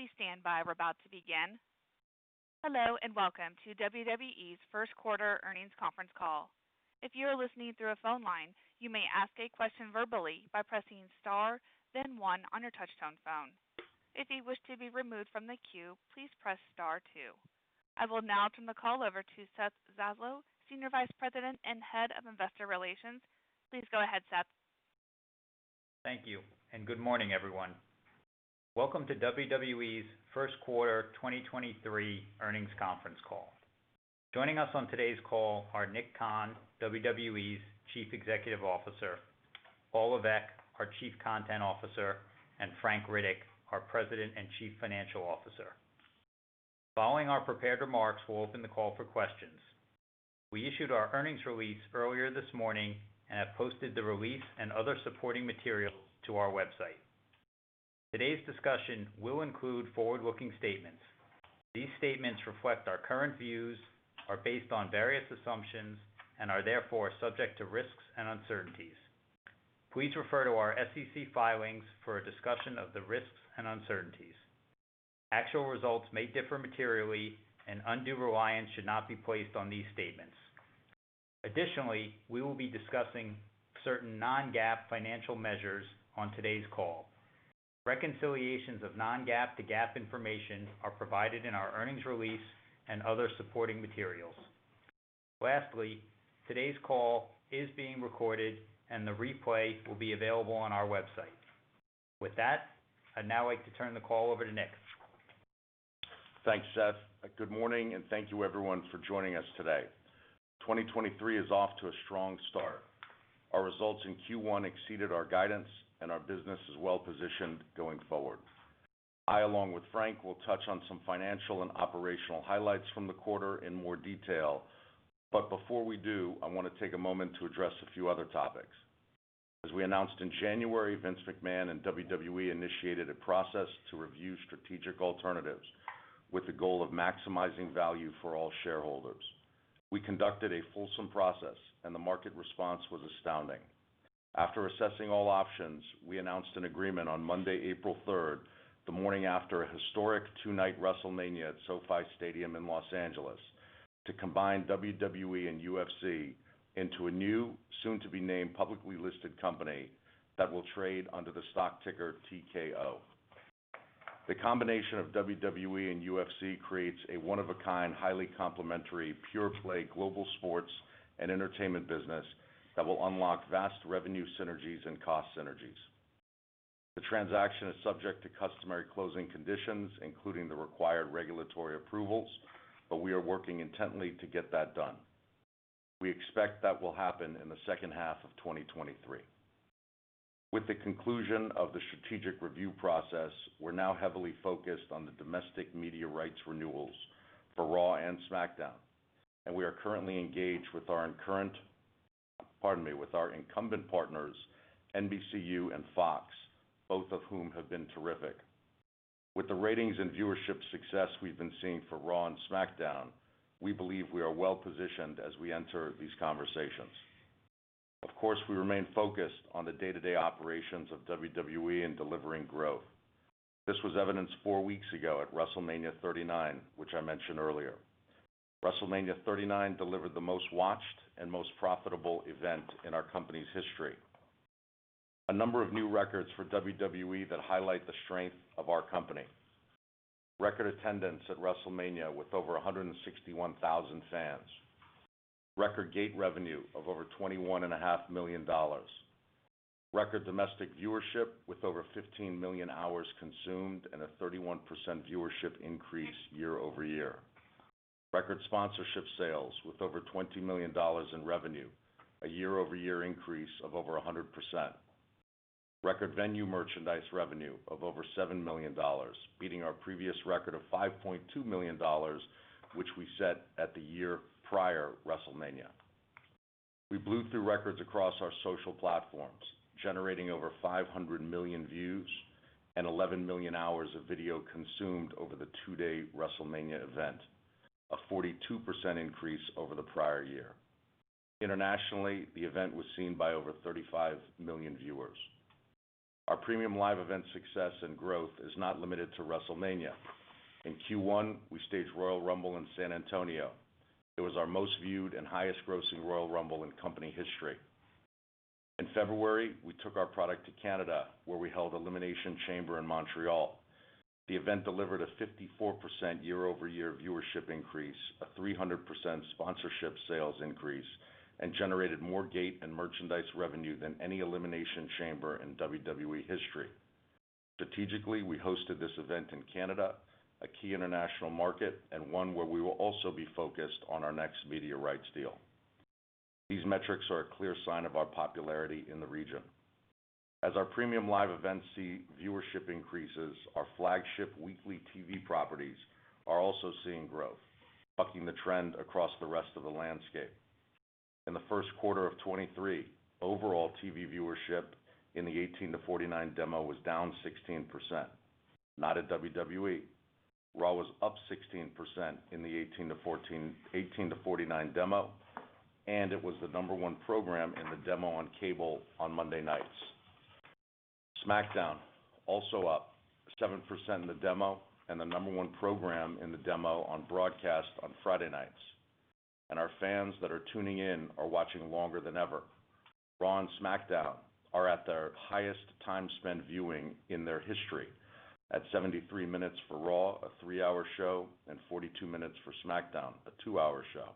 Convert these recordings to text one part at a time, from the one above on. Please stand by. We're about to begin. Hello, welcome to WWE's First Quarter Earnings Conference Call. If you are listening through a phone line, you may ask a question verbally by pressing star then one on your touch-tone phone. If you wish to be removed from the queue, please press star two. I will now turn the call over to Seth Zaslow, Senior Vice President and Head of Investor Relations. Please go ahead, Seth. Thank you. Good morning, everyone. Welcome to WWE's First Quarter 2023 Earnings Conference Call. Joining us on today's call are Nick Khan, WWE's Chief Executive Officer, Paul Levesque, our Chief Content Officer, and Frank Riddick, our President and Chief Financial Officer. Following our prepared remarks, we'll open the call for questions. We issued our earnings release earlier this morning and have posted the release and other supporting materials to our website. Today's discussion will include forward-looking statements. These statements reflect our current views, are based on various assumptions, and are therefore subject to risks and uncertainties. Please refer to our SEC filings for a discussion of the risks and uncertainties. Actual results may differ materially, and undue reliance should not be placed on these statements. Additionally, we will be discussing certain non-GAAP financial measures on today's call. Reconciliations of non-GAAP to GAAP information are provided in our earnings release and other supporting materials. Lastly, today's call is being recorded, and the replay will be available on our website. With that, I'd now like to turn the call over to Nick. Thanks, Seth. Good morning, thank you everyone for joining us today. 2023 is off to a strong start. Our results in Q1 exceeded our guidance, our business is well-positioned going forward. I, along with Frank, will touch on some financial and operational highlights from the quarter in more detail. Before we do, I want to take a moment to address a few other topics. As we announced in January, Vince McMahon and WWE initiated a process to review strategic alternatives with the goal of maximizing value for all shareholders. We conducted a fulsome process, the market response was astounding. After assessing all options, we announced an agreement on Monday, April 3rd, the morning after a historic two-night WrestleMania at SoFi Stadium in Los Angeles., to combine WWE and UFC into a new, soon-to-be-named publicly-listed company that will trade under the stock ticker TKO. The combination of WWE and UFC creates a one-of-a-kind, highly complementary, pure-play global sports and entertainment business that will unlock vast revenue synergies and cost synergies. The transaction is subject to customary closing conditions, including the required regulatory approvals. We are working intently to get that done. We expect that will happen in the second half of 2023. With the conclusion of the strategic review process, we're now heavily focused on the domestic media rights renewals for Raw and SmackDown, and we are currently engaged with our pardon me, with our incumbent partners, NBCU and Fox, both of whom have been terrific. With the ratings and viewership success we've been seeing for Raw and SmackDown, we believe we are well-positioned as we enter these conversations. Of course, we remain focused on the day-to-day operations of WWE and delivering growth. This was evidenced four weeks ago at WrestleMania 39, which I mentioned earlier. WrestleMania 39 delivered the most-watched and most profitable event in our company's history. A number of new records for WWE that highlight the strength of our company. Record attendance at WrestleMania with over 161,000 fans. Record gate revenue of over $21.5 million. Record domestic viewership with over 15 million hours consumed and a 31% viewership increase year-over-year. Record sponsorship sales with over $20 million in revenue, a year-over-year increase of over 100%. Record venue merchandise revenue of over $7 million, beating our previous record of $5.2 million, which we set at the year prior WrestleMania. We blew through records across our social platforms, generating over 500 million views and 11 million hours of video consumed over the two-day WrestleMania event, a 42% increase over the prior year. Internationally, the event was seen by over 35 million viewers. Our premium live event success and growth is not limited to WrestleMania. In Q1, we staged Royal Rumble in San Antonio. It was our most viewed and highest grossing Royal Rumble in company history. In February, we took our product to Canada, where we held Elimination Chamber in Montreal. The event delivered a 54% year-over-year viewership increase, a 300% sponsorship sales increase, and generated more gate and merchandise revenue than any Elimination Chamber in WWE history. Strategically, we hosted this event in Canada, a key international market, and one where we will also be focused on our next media rights deal. These metrics are a clear sign of our popularity in the region. As our premium live events see viewership increases, our flagship weekly TV properties are also seeing growth, bucking the trend across the rest of the landscape. In the first quarter of 23, overall TV viewership in the 18-49 demo was down 16%. Not at WWE. Raw was up 16% in the 18-49 demo, and it was the number one program in the demo on cable on Monday nights. SmackDown also up 7% in the demo and the number one program in the demo on broadcast on Friday nights. Our fans that are tuning in are watching longer than ever. Raw and SmackDown are at their highest time spent viewing in their history at 73 minutes for Raw, a three-hour show, and 42 minutes for SmackDown, a two-hour show.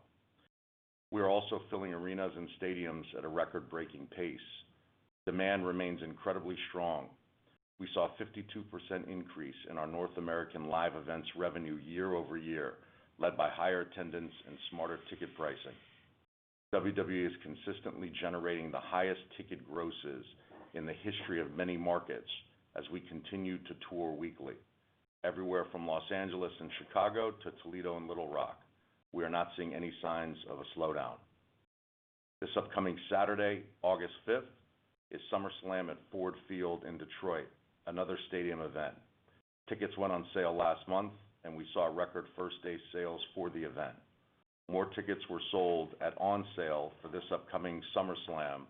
We're also filling arenas and stadiums at a record-breaking pace. Demand remains incredibly strong. We saw a 52% increase in our North American live events revenue year-over-year, led by higher attendance and smarter ticket pricing. WWE is consistently generating the highest ticket grosses in the history of many markets as we continue to tour weekly, everywhere from Los Angeles and Chicago to Toledo and Little Rock. We are not seeing any signs of a slowdown. This upcoming Saturday, August 5th, is SummerSlam at Ford Field in Detroit, another stadium event. Tickets went on sale last month, and we saw record first-day sales for the event. More tickets were sold at on sale for this upcoming SummerSlam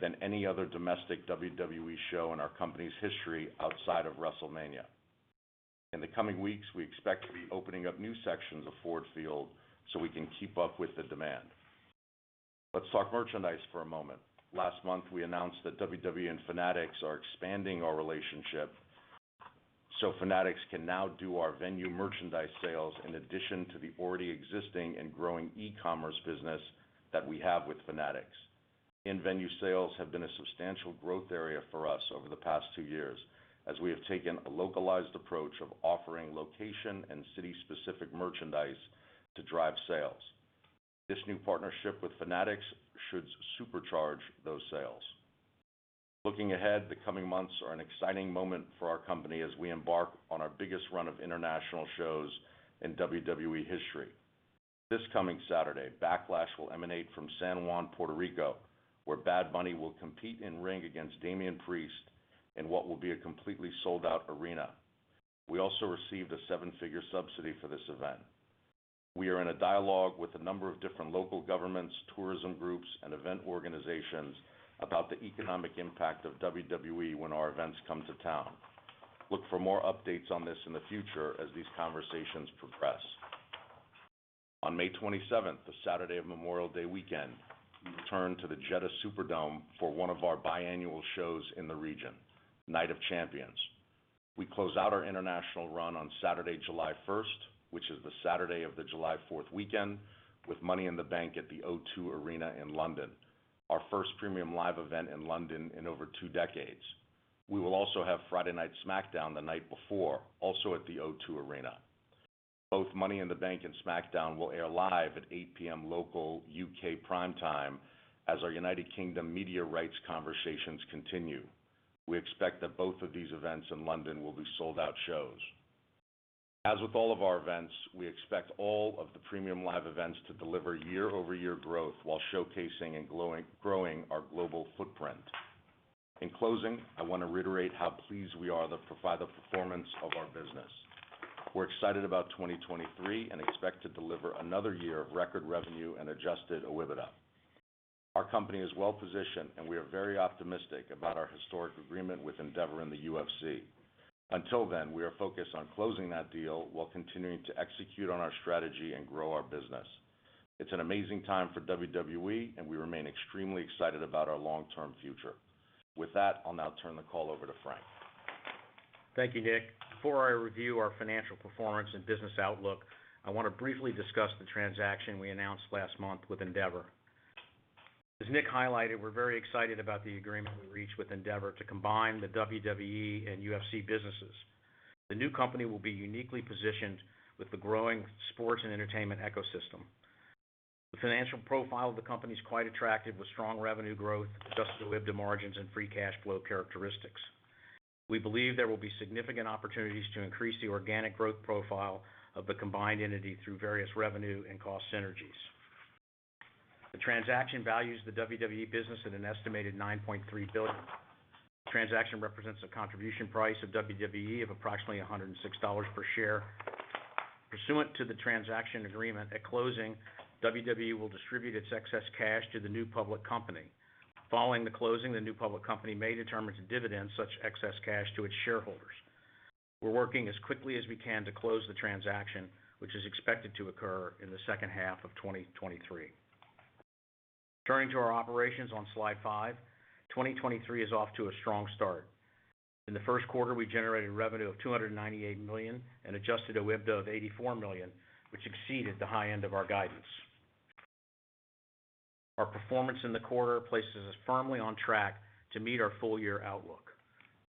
than any other domestic WWE show in our company's history outside of WrestleMania. In the coming weeks, we expect to be opening up new sections of Ford Field so we can keep up with the demand. Let's talk merchandise for a moment. Last month, we announced that WWE and Fanatics are expanding our relationship, so Fanatics can now do our venue merchandise sales in addition to the already existing and growing e-commerce business that we have with Fanatics. In-venue sales have been a substantial growth area for us over the past two years as we have taken a localized approach of offering location and city-specific merchandise to drive sales. This new partnership with Fanatics should supercharge those sales. Looking ahead, the coming months are an exciting moment for our company as we embark on our biggest run of international shows in WWE history. This coming Saturday, Backlash will emanate from San Juan, Puerto Rico, where Bad Bunny will compete in ring against Damian Priest in what will be a completely sold-out arena. We also received a seven-figure subsidy for this event. We are in a dialogue with a number of different local governments, tourism groups, and event organizations about the economic impact of WWE when our events come to town. Look for more updates on this in the future as these conversations progress. On May 27th, the Saturday of Memorial Day weekend, we return to the Jeddah Superdome for one of our biannual shows in the region, Night of Champions. We close out our international run on Saturday, July 1st, which is the Saturday of the July 4th weekend, with Money in the Bank at The O2 Arena in London, our first premium live event in London in over two decades. We will also have Friday Night SmackDown the night before, also at the O2 Arena. Both Money in the Bank and SmackDown will air live at 8:00 P.M. local U.K. Prime Time as our United Kingdom media rights conversations continue. We expect that both of these events in London will be sold-out shows. As with all of our events, we expect all of the premium live events to deliver year-over-year growth while showcasing and growing our global footprint. In closing, I want to reiterate how pleased we are by the performance of our business. We're excited about 2023 and expect to deliver another year of record revenue and adjusted OIBDA. Our company is well-positioned, and we are very optimistic about our historic agreement with Endeavor in the UFC. Until then, we are focused on closing that deal while continuing to execute on our strategy and grow our business. It's an amazing time for WWE. We remain extremely excited about our long-term future. With that, I'll now turn the call over to Frank. Thank you, Nick. Before I review our financial performance and business outlook, I want to briefly discuss the transaction we announced last month with Endeavor. As Nick highlighted, we're very excited about the agreement we reached with Endeavor to combine the WWE and UFC businesses. The new company will be uniquely positioned with the growing sports and entertainment ecosystem. The financial profile of the company is quite attractive, with strong revenue growth, adjusted OIBDA margins, and free cash flow characteristics. We believe there will be significant opportunities to increase the organic growth profile of the combined entity through various revenue and cost synergies. The transaction values the WWE business at an estimated $9.3 billion. The transaction represents a contribution price of WWE of approximately $106 per share. Pursuant to the transaction agreement, at closing, WWE will distribute its excess cash to the new public company. Following the closing, the new public company may determine to dividend such excess cash to its shareholders. We're working as quickly as we can to close the transaction, which is expected to occur in the second half of 2023. Turning to our operations on slide five, 2023 is off to a strong start. In the first quarter, we generated revenue of $298 million and adjusted OIBDA of $84 million, which exceeded the high end of our guidance. Our performance in the quarter places us firmly on track to meet our full-year outlook.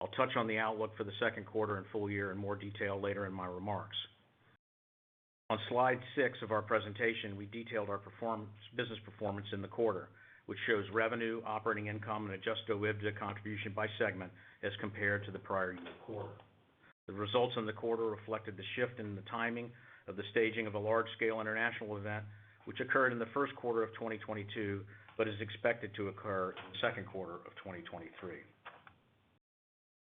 I'll touch on the outlook for the second quarter and full-year in more detail later in my remarks. On Slide six of our presentation, we detailed our business performance in the quarter, which shows revenue, operating income, and adjusted OIBDA contribution by segment as compared to the prior year quarter. The results in the quarter reflected the shift in the timing of the staging of a large-scale international event, which occurred in the first quarter of 2022 but is expected to occur in the second quarter of 2023.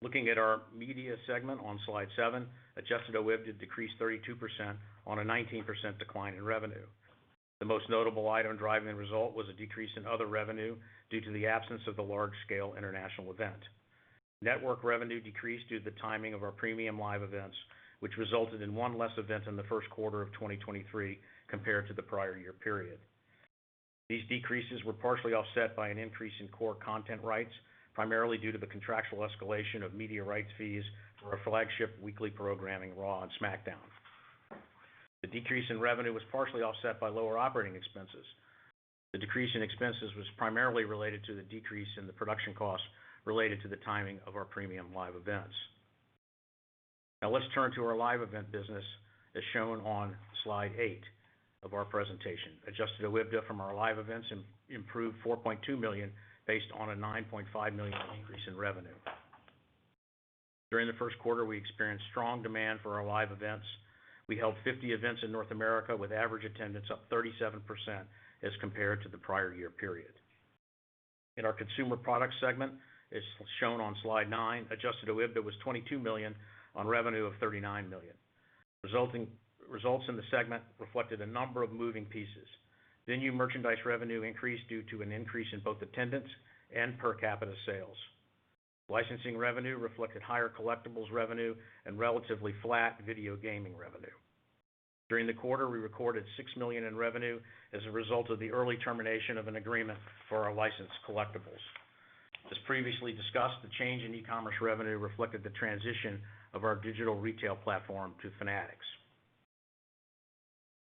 Looking at our media segment on Slide seven, adjusted OIBDA decreased 32% on a 19% decline in revenue. The most notable item driving the result was a decrease in other revenue due to the absence of the large-scale international event. Network revenue decreased due to the timing of our premium live events, which resulted in one less event in the first quarter of 2023 compared to the prior year period. These decreases were partially offset by an increase in core content rights, primarily due to the contractual escalation of media rights fees for our flagship weekly programming, Raw and SmackDown. The decrease in revenue was partially offset by lower operating expenses. The decrease in expenses was primarily related to the decrease in the production costs related to the timing of our premium live events. Let's turn to our live event business as shown on Slide eight of our presentation. Adjusted OIBDA from our live events improved $4.2 million based on a $9.5 million increase in revenue. During the first quarter, we experienced strong demand for our live events. We held 50 events in North America with average attendance up 37% as compared to the prior year period. In our consumer product segment, as shown on Slide nine, adjusted OIBDA was $22 million on revenue of $39 million. Results in the segment reflected a number of moving pieces. Venue merchandise revenue increased due to an increase in both attendance and per capita sales. Licensing revenue reflected higher collectibles revenue and relatively flat video gaming revenue. During the quarter, we recorded $6 million in revenue as a result of the early termination of an agreement for our licensed collectibles. As previously discussed, the change in e-commerce revenue reflected the transition of our digital retail platform to Fanatics.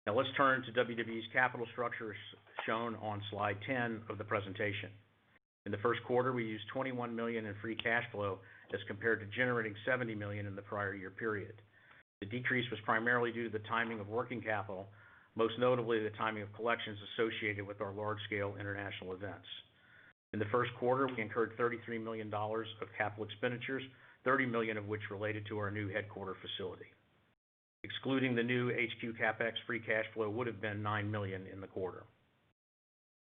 Let's turn to WWE's capital structure, as shown on Slide 10 of the presentation. In the first quarter, we used $21 million in free cash flow as compared to generating $70 million in the prior year period. The decrease was primarily due to the timing of working capital, most notably the timing of collections associated with our large-scale international events. In the first quarter, we incurred $33 million of CapEx, $30 million of which related to our new headquarter facility. Excluding the new HQ CapEx, free cash flow would have been $9 million in the quarter.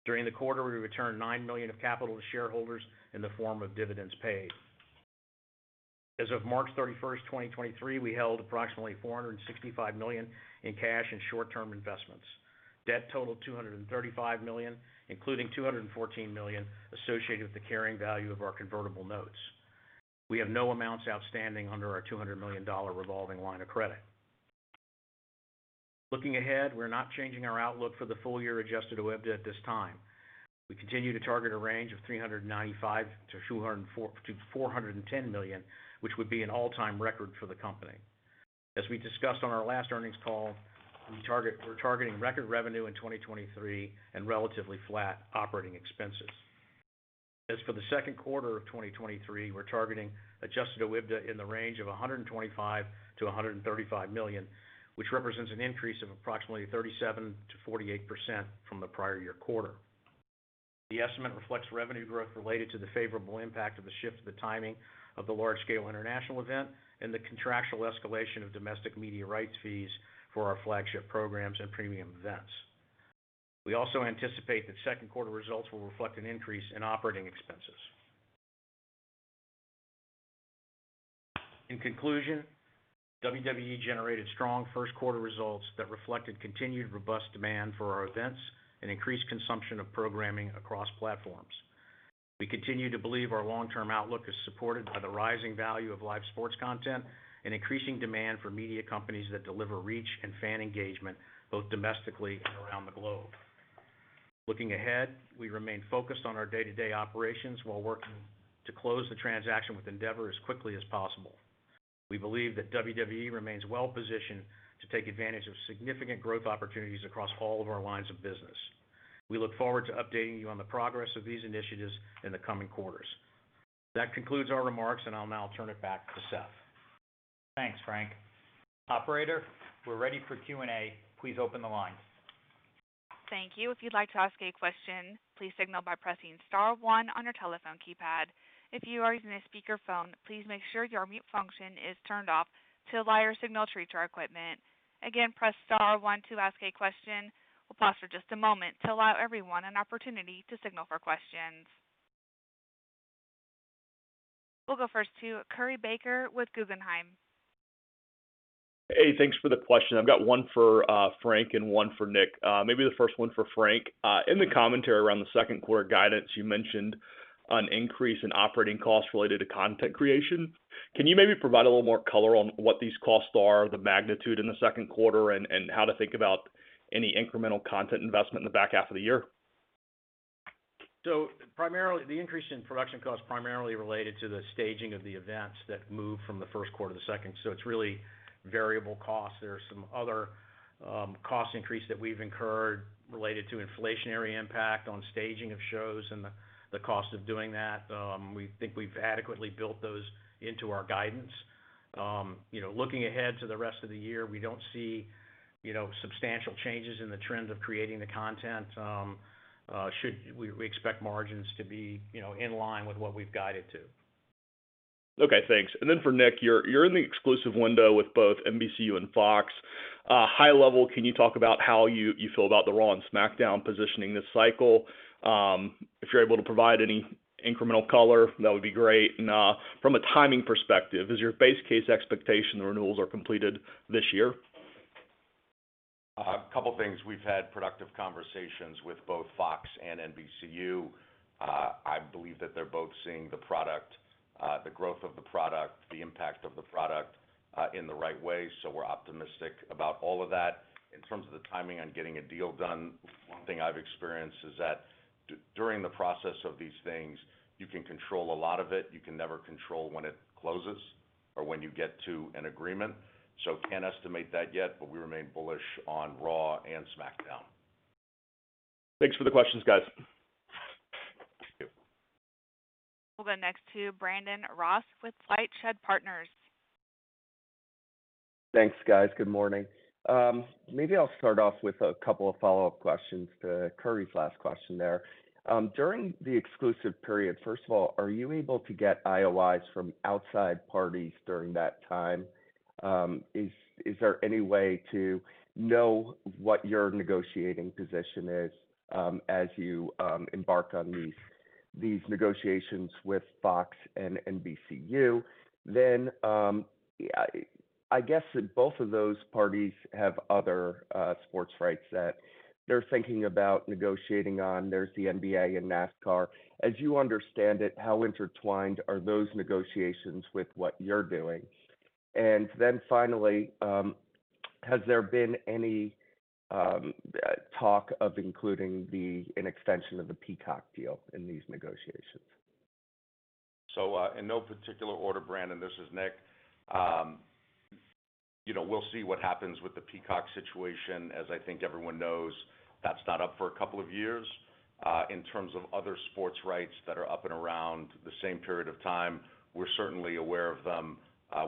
During the quarter, we returned $9 million of capital to shareholders in the form of dividends paid. As of March 31st, 2023, we held approximately $465 million in cash and short-term investments. Debt totaled $235 million, including $214 million associated with the carrying value of our convertible notes. We have no amounts outstanding under our $200 million revolving line of credit. Looking ahead, we're not changing our outlook for the full year adjusted OIBDA at this time. We continue to target a range of $395 million-$410 million, which would be an all-time record for the company. As we discussed on our last earnings call, we're targeting record revenue in 2023 and relatively flat operating expenses. As for the second quarter of 2023, we're targeting adjusted OIBDA in the range of $125 million-$135 million, which represents an increase of approximately 37%-48% from the prior year quarter. The estimate reflects revenue growth related to the favorable impact of the shift of the timing of the large-scale international event and the contractual escalation of domestic media rights fees for our flagship programs and premium events. We also anticipate that second quarter results will reflect an increase in operating expenses. In conclusion, WWE generated strong first quarter results that reflected continued robust demand for our events and increased consumption of programming across platforms. We continue to believe our long-term outlook is supported by the rising value of live sports content and increasing demand for media companies that deliver reach and fan engagement, both domestically and around the globe. Looking ahead, we remain focused on our day-to-day operations while working to close the transaction with Endeavor as quickly as possible. We believe that WWE remains well-positioned to take advantage of significant growth opportunities across all of our lines of business. We look forward to updating you on the progress of these initiatives in the coming quarters. That concludes our remarks, and I'll now turn it back to Seth. Thanks, Frank. Operator, we're ready for Q&A. Please open the line. Thank you. If you'd like to ask a question, please signal by pressing star one on your telephone keypad. If you are using a speakerphone, please make sure your mute function is turned off to allow your signal to reach our equipment. Again, press star one to ask a question. We'll pause for just a moment to allow everyone an opportunity to signal for questions. We'll go first to Curry Baker with Guggenheim. Hey, thanks for the question. I've got one for Frank and one for Nick. Maybe the first one for Frank. In the commentary around the second quarter guidance, you mentioned an increase in operating costs related to content creation. Can you maybe provide a little more color on what these costs are, the magnitude in the second quarter, and how to think about any incremental content investment in the back half of the year? The increase in production costs primarily related to the staging of the events that moved from the first quarter to the second. It's really variable costs. There are some other cost increase that we've incurred related to inflationary impact on staging of shows and the cost of doing that. We think we've adequately built those into our guidance. You know, looking ahead to the rest of the year, we don't see, you know, substantial changes in the trends of creating the content. We expect margins to be, you know, in line with what we've guided to. Okay, thanks. For Nick, you're in the exclusive window with both NBCU and Fox. High level, can you talk about how you feel about the Raw and SmackDown positioning this cycle? If you're able to provide any incremental color, that would be great. From a timing perspective, is your base case expectation the renewals are completed this year? A couple things. We've had productive conversations with both Fox and NBCU. I believe that they're both seeing the product, the growth of the product, the impact of the product, in the right way, so we're optimistic about all of that. In terms of the timing on getting a deal done, one thing I've experienced is that during the process of these things, you can control a lot of it. You can never control when it closes or when you get to an agreement. Can't estimate that yet, but we remain bullish on Raw and SmackDown. Thanks for the questions, guys. Thank you. We'll go next to Brandon Ross with LightShed Partners. Thanks, guys. Good morning. Maybe I'll start off with a couple of follow-up questions to Curry's last question there. During the exclusive period, first of all, are you able to get IOIs from outside parties during that time? Is there any way to know what your negotiating position is, as you embark on these negotiations with Fox and NBCU? I guess that both of those parties have other sports rights that they're thinking about negotiating on. There's the NBA and NASCAR. As you understand it, how intertwined are those negotiations with what you're doing? Finally, has there been any talk of including an extension of the Peacock deal in these negotiations? In no particular order, Brandon, this is Nick. You know, we'll see what happens with the Peacock situation. As I think everyone knows, that's not up for couple of years. In terms of other sports rights that are up and around the same period of time, we're certainly aware of them.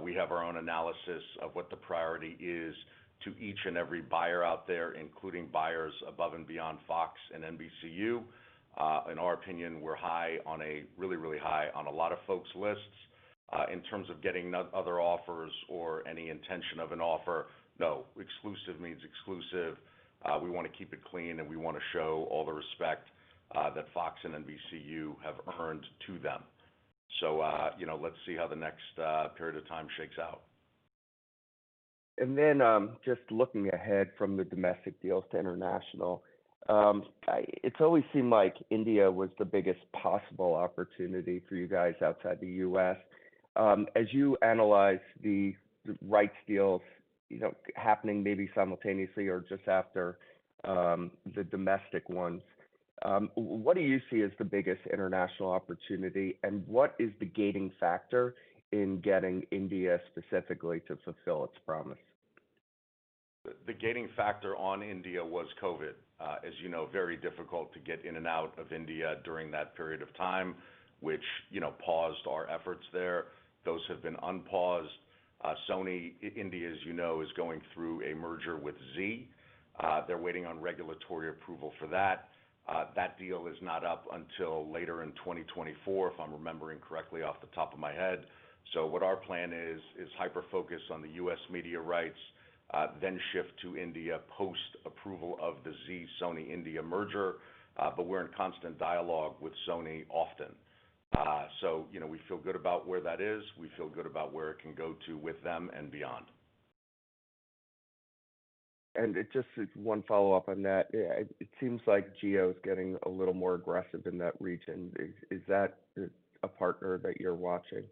We have our own analysis of what the priority is to each and every buyer out there, including buyers above and beyond Fox and NBCU. In our opinion, we're really high on a lot of folks' lists. In terms of getting other offers or any intention of an offer, no. Exclusive means exclusive. We wanna keep it clean, and we wanna show all the respect that Fox and NBCU have earned to them. you know, let's see how the next period of time shakes out. Then, just looking ahead from the domestic deals to international, it's always seemed like India was the biggest possible opportunity for you guys outside the U.S. As you analyze the rights deals, you know, happening maybe simultaneously or just after, the domestic ones, what do you see as the biggest international opportunity, and what is the gating factor in getting India specifically to fulfill its promise? The gating factor on India was COVID. As you know, very difficult to get in and out of India during that period of time, which, you know, paused our efforts there. Those have been unpaused. Sony India, as you know, is going through a merger with Zee. They're waiting on regulatory approval for that. That deal is not up until later in 2024, if I'm remembering correctly off the top of my head. What our plan is hyper-focus on the U.S. media rights, then shift to India post-approval of the Zee-Sony India merger. We're in constant dialogue with Sony often. So, you know, we feel good about where that is. We feel good about where it can go to with them and beyond. Just one follow-up on that. It seems like Jio is getting a little more aggressive in that region. Is that a partner that you're watching?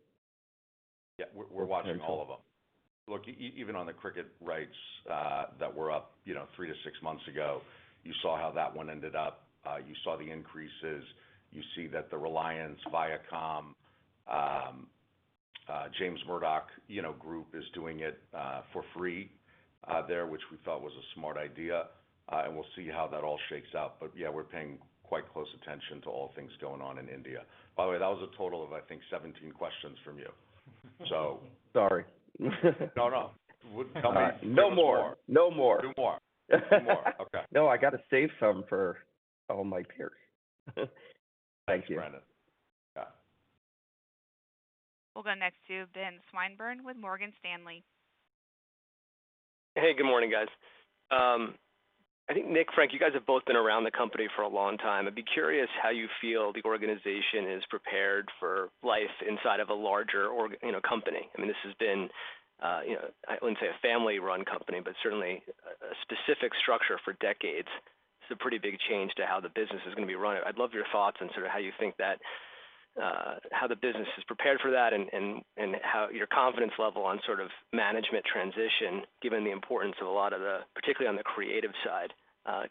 Yeah, we're watching all of them. Look, even on the cricket rights, that were up, you know, three to six months ago, you saw how that one ended up. You saw the increases. You see that the Reliance Viacom, James Murdoch, you know, group is doing it for free there, which we thought was a smart idea. We'll see how that all shakes out. Yeah, we're paying quite close attention to all things going on in India. By the way, that was a total of, I think, 17 questions from you. Sorry. No, no. Tell me more. No more. No more. Two more. Two more. Okay. No, I gotta save some for all my peers. Thank you. Thanks, Brandon. Yeah. We'll go next to Ben Swinburne with Morgan Stanley. Hey, good morning, guys. I think, Nick, Frank, you guys have both been around the company for a long time. I'd be curious how you feel the organization is prepared for life inside of a larger org you know, company. I mean, this has been, you know, I wouldn't say a family-run company, but certainly a specific structure for decades. It's a pretty big change to how the business is gonna be run. I'd love your thoughts on sort of how you think that, how the business is prepared for that and how your confidence level on sort of management transition, given the importance of a lot of the, particularly on the creative side,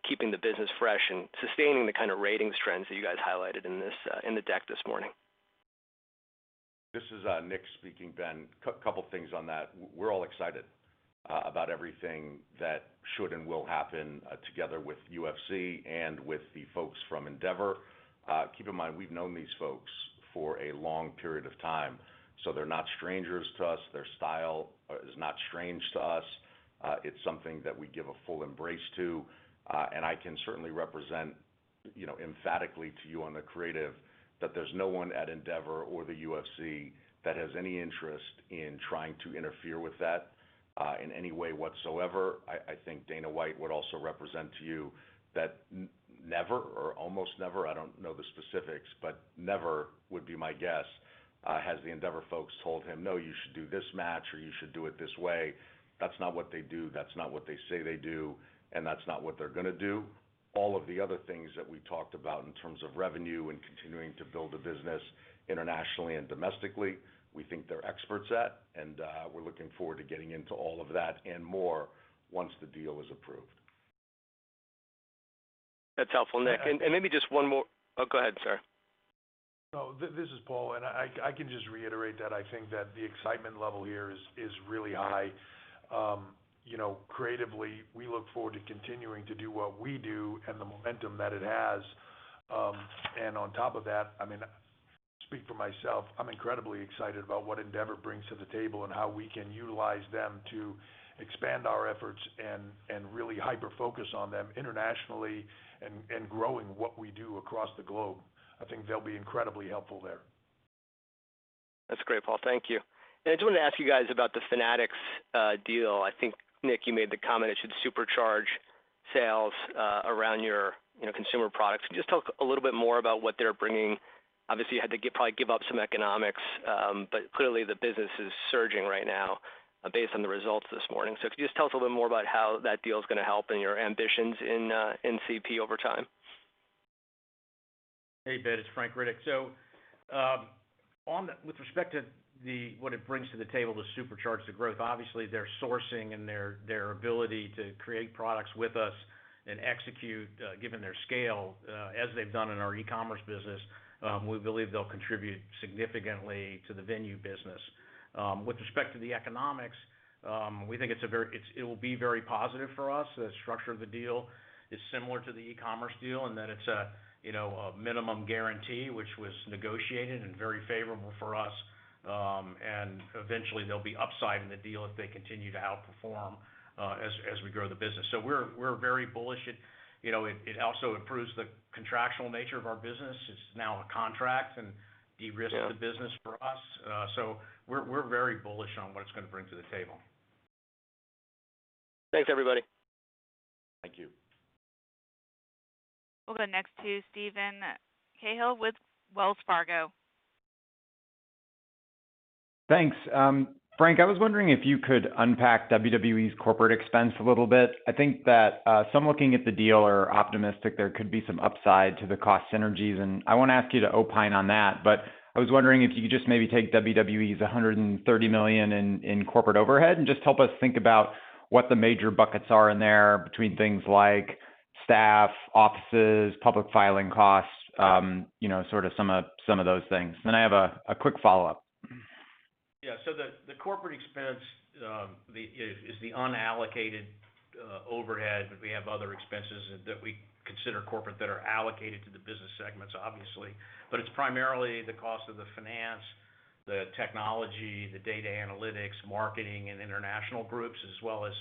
keeping the business fresh and sustaining the kind of ratings trends that you guys highlighted in this, in the deck this morning. This is Nick speaking, Ben. A couple things on that. We're all excited about everything that should and will happen together with UFC and with the folks from Endeavor. Keep in mind, we've known these folks for a long period of time, so they're not strangers to us. Their style is not strange to us. It's something that we give a full embrace to. I can certainly represent you know, emphatically to you on the creative that there's no one at Endeavor or the UFC that has any interest in trying to interfere with that, in any way whatsoever. I think Dana White would also represent to you that never or almost never, I don't know the specifics, but never would be my guess, has the Endeavor folks told him, "No, you should do this match, or you should do it this way." That's not what they do, that's not what they say they do, and that's not what they're gonna do. All of the other things that we talked about in terms of revenue and continuing to build a business internationally and domestically, we think they're experts at, and we're looking forward to getting into all of that and more once the deal is approved. That's helpful, Nick. Yeah. Maybe just one more. Oh, go ahead, sir. No. This is Paul, I can just reiterate that I think that the excitement level here is really high. you know, creatively, we look forward to continuing to do what we do and the momentum that it has. On top of that, I mean, speak for myself, I'm incredibly excited about what Endeavor brings to the table and how we can utilize them to expand our efforts and really hyper-focus on them internationally and growing what we do across the globe. I think they'll be incredibly helpful there. That's great, Paul. Thank you. I just wanted to ask you guys about the Fanatics deal. I think, Nick, you made the comment it should supercharge sales around your, you know, consumer products. Can you just talk a little bit more about what they're bringing? Obviously, you had to probably give up some economics, but clearly the business is surging right now based on the results this morning. Can you just tell us a little bit more about how that deal is gonna help in your ambitions in CP over time? Hey, Ben. It's Frank Riddick. With respect to what it brings to the table to supercharge the growth, obviously, their sourcing and their ability to create products with us and execute given their scale, as they've done in our e-commerce business, we believe they'll contribute significantly to the venue business. With respect to the economics, we think it will be very positive for us. The structure of the deal is similar to the e-commerce deal in that it's a, you know, a minimum guarantee, which was negotiated and very favorable for us. And eventually, there'll be upside in the deal if they continue to outperform as we grow the business. We're very bullish. You know, it also improves the contractual nature of our business. It's now a contract and de-risks. the business for us. We're very bullish on what it's gonna bring to the table. Thanks, everybody. Thank you. We'll go next to Steven Cahall with Wells Fargo. Thanks. Frank, I was wondering if you could unpack WWE's corporate expense a little bit. I think that some looking at the deal are optimistic there could be some upside to the cost synergies. I won't ask you to opine on that. I was wondering if you could just maybe take WWE's $130 million in corporate overhead and just help us think about what the major buckets are in there between things like staff, offices, public filing costs, you know, some of those things. I have a quick follow-up. Yeah. The corporate expense is the unallocated overhead. We have other expenses that we consider corporate that are allocated to the business segments, obviously. It's primarily the cost of the finance, the technology, the data analytics, marketing and international groups, as well as,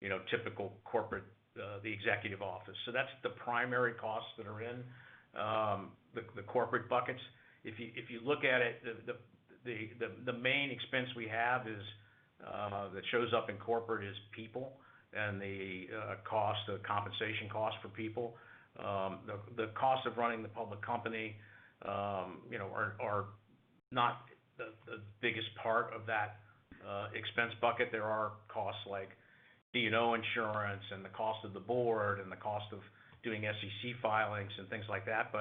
you know, typical corporate, the executive office. That's the primary costs that are in the corporate buckets. If you, if you look at it, the main expense we have is that shows up in corporate is people and the cost, the compensation cost for people. The cost of running the public company, you know, are not the biggest part of that expense bucket. There are costs like D&O insurance and the cost of the board and the cost of doing SEC filings and things like that.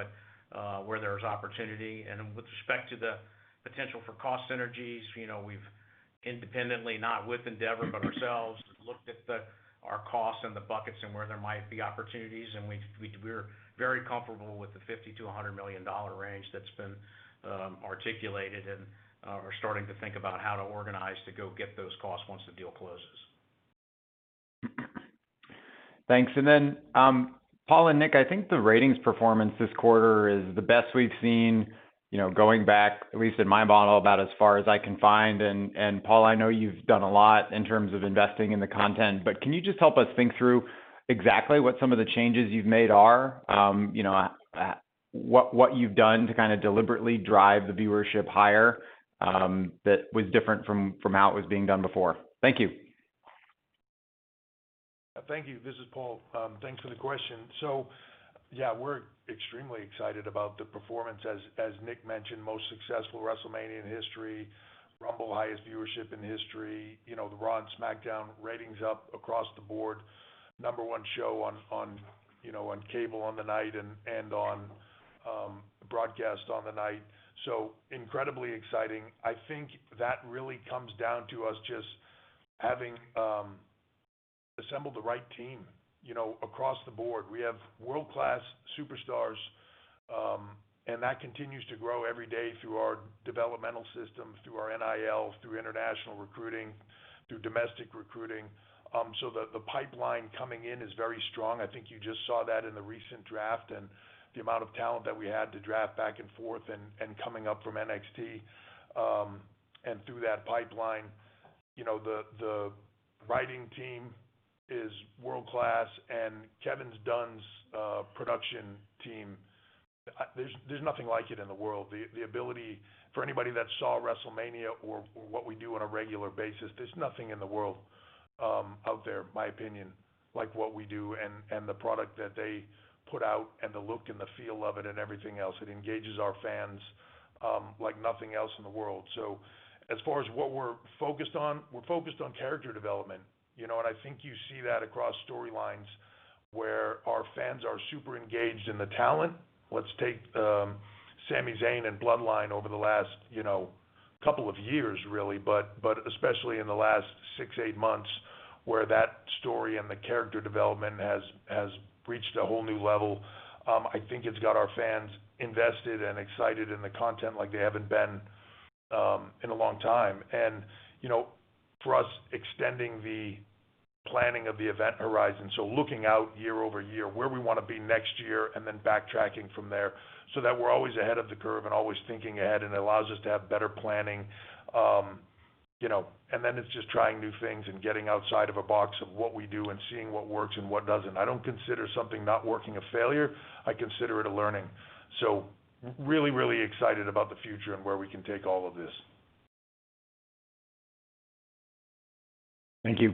where there's opportunity and with respect to the potential for cost synergies, you know, we've independently, not with Endeavor, but ourselves, looked at our costs and the buckets and where there might be opportunities, and we're very comfortable with the $50 million-$100 million range that's been articulated and are starting to think about how to organize to go get those costs once the deal closes. Thanks. Then, Paul and Nick, I think the ratings performance this quarter is the best we've seen, you know, going back, at least in my model, about as far as I can find. Paul, I know you've done a lot in terms of investing in the content, but can you just help us think through exactly what some of the changes you've made are? You know, what you've done to kind of deliberately drive the viewership higher, that was different from how it was being done before? Thank you. Thank you. This is Paul. Thanks for the question. Yeah, we're extremely excited about the performance as Nick mentioned, most successful WrestleMania in history, Royal Rumble, highest viewership in history, you know, the Raw and SmackDown ratings up across the board. Number one show on, you know, on cable on the night and on broadcast on the night. Incredibly exciting. I think that really comes down to us just having assembled the right team, you know, across the board. We have world-class superstars, and that continues to grow every day through our developmental systems, through our NIL, through international recruiting, through domestic recruiting. The pipeline coming in is very strong. I think you just saw that in the recent draft and the amount of talent that we had to draft back and forth and coming up from NXT. through that pipeline, you know, the Our writing team is world-class, and Kevin Dunn's production team, there's nothing like it in the world. The ability for anybody that saw WrestleMania or what we do on a regular basis, there's nothing in the world out there, in my opinion, like what we do and the product that they put out and the look and the feel of it and everything else. It engages our fans like nothing else in the world. As far as what we're focused on, we're focused on character development, you know. I think you see that across storylines where our fans are super engaged in the talent. Let's take Sami Zayn and Bloodline over the last, you know, couple of years really, but especially in the last six, eight months, where that story and the character development has reached a whole new level. I think it's got our fans invested and excited in the content like they haven't been in a long time. You know, for us, extending the planning of the event horizon, so looking out year-over-year, where we wanna be next year and then backtracking from there so that we're always ahead of the curve and always thinking ahead, and it allows us to have better planning, you know. It's just trying new things and getting outside of a box of what we do and seeing what works and what doesn't. I don't consider something not working a failure, I consider it a learning. Really, really excited about the future and where we can take all of this. Thank you.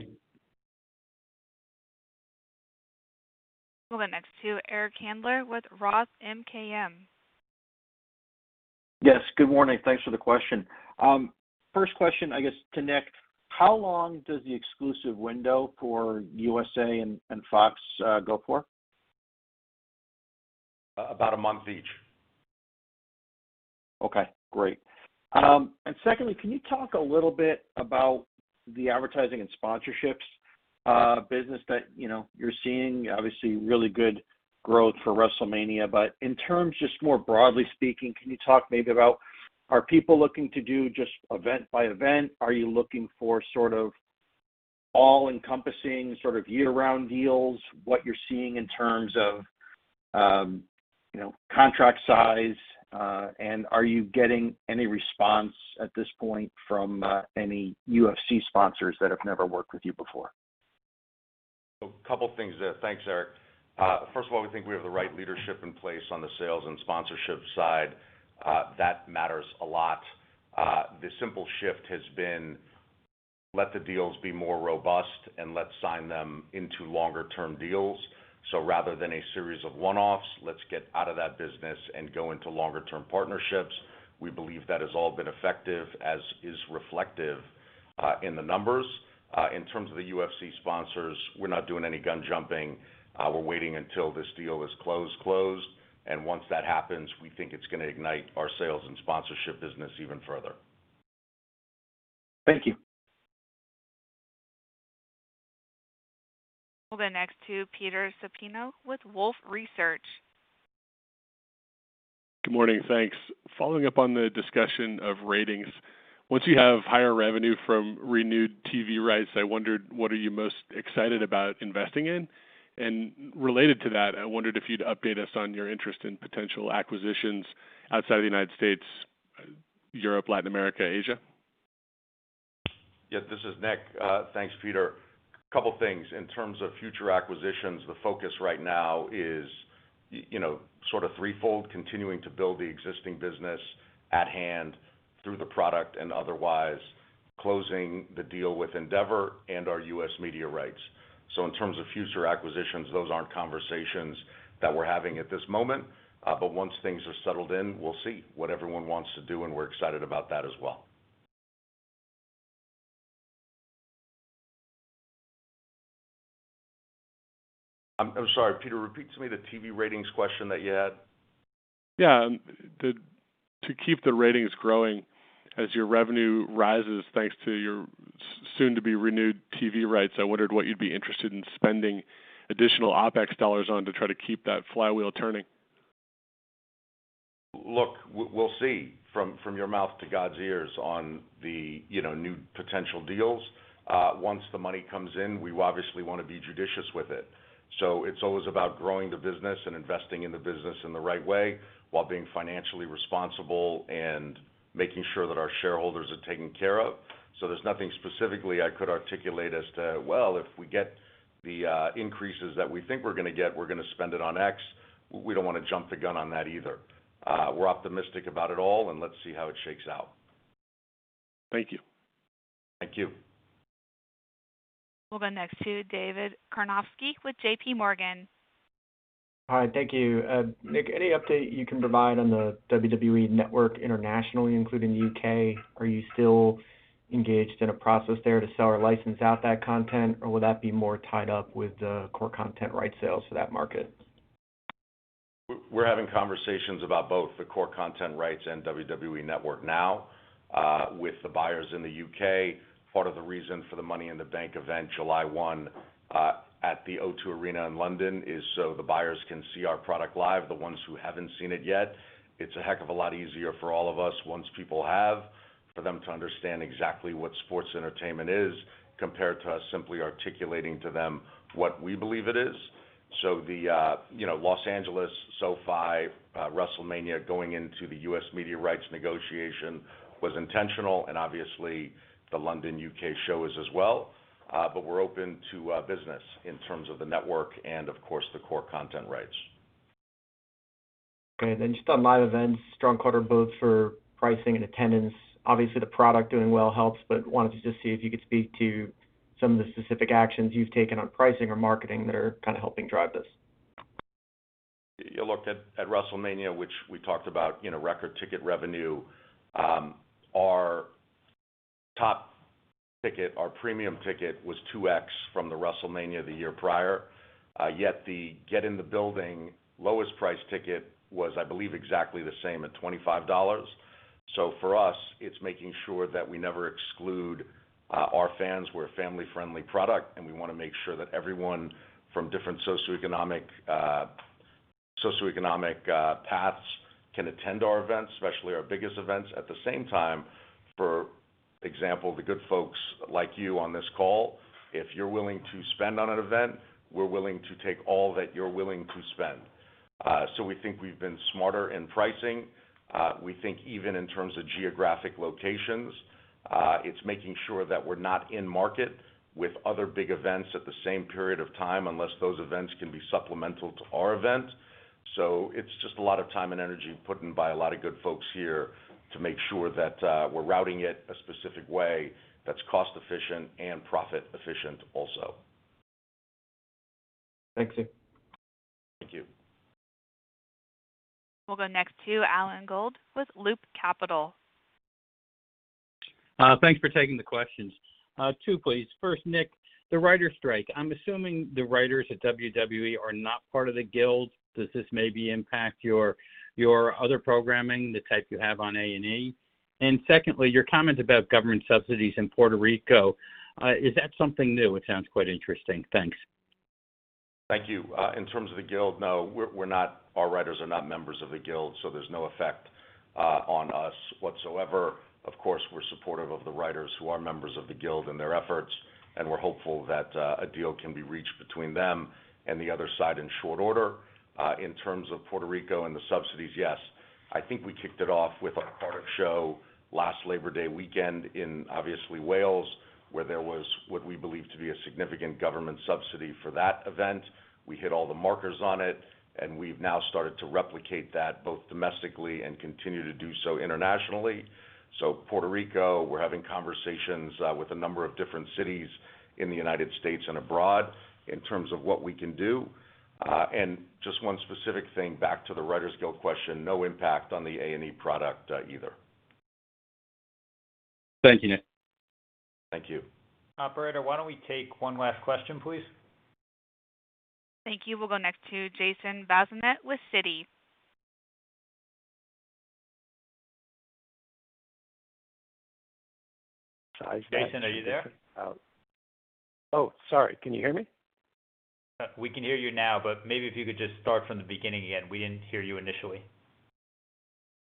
We'll go next to Eric Handler with ROTH MKM. Yes. Good morning. Thanks for the question. First question, I guess, to Nick, how long does the exclusive window for USA and Fox, go for? About a month each. Okay, great. Secondly, can you talk a little bit about the advertising and sponsorships business that, you know, you're seeing obviously really good growth for WrestleMania. In terms, just more broadly speaking, can you talk maybe about, are people looking to do just event by event? Are you looking for sort of all-encompassing, sort of year-round deals? What you're seeing in terms of, you know, contract size, and are you getting any response at this point from any UFC sponsors that have never worked with you before? A couple things there. Thanks, Eric. First of all, we think we have the right leadership in place on the sales and sponsorship side. That matters a lot. The simple shift has been let the deals be more robust, and let's sign them into longer-term deals. Rather than a series of one-offs, let's get out of that business and go into longer-term partnerships. We believe that has all been effective, as is reflective in the numbers. In terms of the UFC sponsors, we're not doing any gun jumping. We're waiting until this deal is closed, and once that happens, we think it's gonna ignite our sales and sponsorship business even further. Thank you. We'll go next to Peter Supino with Wolfe Research. Good morning. Thanks. Following up on the discussion of ratings, once you have higher revenue from renewed TV rights, I wondered what are you most excited about investing in? Related to that, I wondered if you'd update us on your interest in potential acquisitions outside the United States, Europe, Latin America, Asia? Yeah, this is Nick. Thanks, Peter. A couple things. In terms of future acquisitions, the focus right now is you know, sort of threefold: continuing to build the existing business at hand through the product and otherwise; closing the deal with Endeavor; and our U.S. media rights. In terms of future acquisitions, those aren't conversations that we're having at this moment. Once things are settled in, we'll see what everyone wants to do, and we're excited about that as well. I'm sorry, Peter, repeat to me the TV ratings question that you had. Yeah. To keep the ratings growing as your revenue rises, thanks to your soon to be renewed TV rights, I wondered what you'd be interested in spending additional OpEx dollars on to try to keep that flywheel turning. Look, we'll see, from your mouth to God's ears on the, you know, new potential deals. Once the money comes in, we obviously wanna be judicious with it. It's always about growing the business and investing in the business in the right way while being financially responsible and making sure that our shareholders are taken care of. There's nothing specifically I could articulate as to, "Well, if we get the increases that we think we're gonna get, we're gonna spend it on X." We don't wanna jump the gun on that either. We're optimistic about it all, and let's see how it shakes out. Thank you. Thank you. We'll go next to David Karnovsky with J.P. Morgan. Hi. Thank you. Nick, any update you can provide on the WWE Network internationally, including U.K.? Are you still engaged in a process there to sell or license out that content, or will that be more tied up with the core content rights sales to that market? We're having conversations about both the core content rights and WWE Network now, with the buyers in the U.K. Part of the reason for the Money in the Bank event, July 1, at the O2 Arena in London, is so the buyers can see our product live, the ones who haven't seen it yet. It's a heck of a lot easier for all of us once people have, for them to understand exactly what sports entertainment is, compared to us simply articulating to them what we believe it is. The, you know, Los Angeles, SoFi, WrestleMania going into the U.S. media rights negotiation was intentional, and obviously the London U.K. show is as well. But we're open to business in terms of the network and of course, the core content rights. Just on live events, strong quarter both for pricing and attendance. Obviously, the product doing well helps, but wanted to just see if you could speak to some of the specific actions you've taken on pricing or marketing that are kind of helping drive this. You looked at WrestleMania, which we talked about, you know, record ticket revenue. Our top ticket, our premium ticket was 2x from the WrestleMania the year prior. Yet the get in the building lowest price ticket was, I believe, exactly the same at $25. For us, it's making sure that we never exclude, our fans. We're a family-friendly product, and we wanna make sure that everyone from different socioeconomic paths can attend our events, especially our biggest events. At the same time, for example, the good folks like you on this call, if you're willing to spend on an event, we're willing to take all that you're willing to spend. We think we've been smarter in pricing. We think even in terms of geographic locations, it's making sure that we're not in market with other big events at the same period of time, unless those events can be supplemental to our event. It's just a lot of time and energy put in by a lot of good folks here to make sure that we're routing it a specific way that's cost efficient and profit efficient also. Thanks. Thank you. We'll go next to Alan Gould with Loop Capital. Thanks for taking the questions. Two please. First, Nick, the writer strike. I'm assuming the writers at WWE are not part of the Guild. Does this maybe impact your other programming, the type you have on A&E? Secondly, your comment about government subsidies in Puerto Rico, is that something new? It sounds quite interesting. Thanks. Thank you. In terms of the Guild, no, our writers are not members of the Guild, so there's no effect on us whatsoever. Of course, we're supportive of the writers who are members of the Guild and their efforts, and we're hopeful that a deal can be reached between them and the other side in short order. In terms of Puerto Rico and the subsidies, yes. I think we kicked it off with a card show last Labor Day weekend in obviously Wales, where there was what we believe to be a significant government subsidy for that event. We hit all the markers on it, and we've now started to replicate that both domestically and continue to do so internationally. Puerto Rico, we're having conversations with a number of different cities in the United States and abroad in terms of what we can do. Just one specific thing back to the Writers Guild question, no impact on the A&E product either. Thank you, Nick. Thank you. Operator, why don't we take one last question, please? Thank you. We'll go next to Jason Bazinet with Citi. Jason, are you there? Oh, sorry. Can you hear me? We can hear you now, but maybe if you could just start from the beginning again. We didn't hear you initially.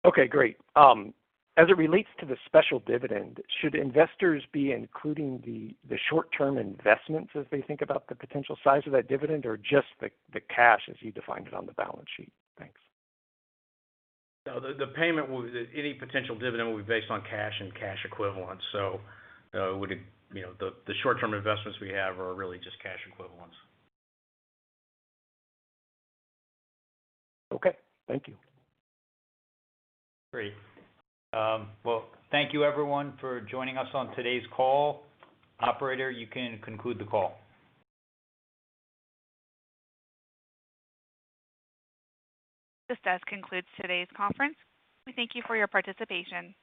Okay, great. As it relates to the special dividend, should investors be including the short-term investments as they think about the potential size of that dividend or just the cash as you defined it on the balance sheet? Thanks. Any potential dividend will be based on cash and cash equivalent. You know, the short-term investments we have are really just cash equivalents. Okay. Thank you. Great. Well, thank you everyone for joining us on today's call. Operator, you can conclude the call. This does conclude today's conference. We thank you for your participation.